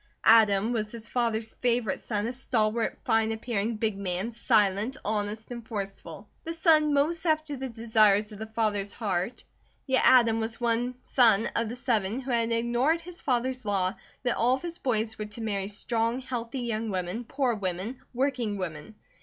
Adam was his father's favourite son, a stalwart, fine appearing, big man, silent, honest, and forceful; the son most after the desires of the father's heart, yet Adam was the one son of the seven who had ignored his father's law that all of his boys were to marry strong, healthy young women, poor women, working women.